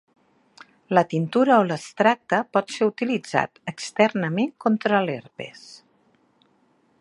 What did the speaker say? La tintura o l'extracte pot ser utilitzat externament contra l'herpes.